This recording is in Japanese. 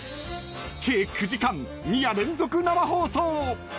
計９時間、２夜連続生放送！